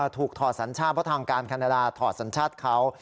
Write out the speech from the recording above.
ถอดสัญชาติเพราะทางการแคนาดาถอดสัญชาติเขา